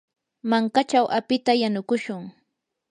mankachaw apita yanukushun.